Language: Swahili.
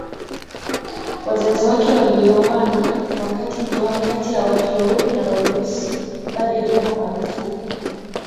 Wazazi wake walioana wakati ndoa kati ya watu weupe na weusi bado ilikuwa marufuku